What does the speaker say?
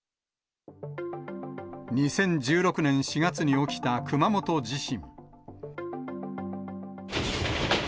２０１６年４月に起きた熊本地震。